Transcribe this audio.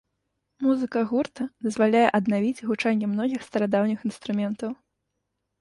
Музыка гурта дазваляе аднавіць гучанне многіх старадаўніх інструментаў.